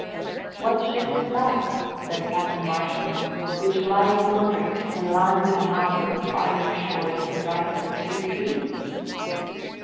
"What ship is that," said Captain Marsham, "which lies yonder, in line with the house on the farther shore to the right of the three trees?"